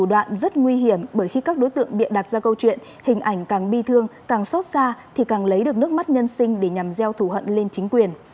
để đặt ra câu chuyện hình ảnh càng bi thương càng xót xa thì càng lấy được nước mắt nhân sinh để nhằm gieo thù hận lên chính quyền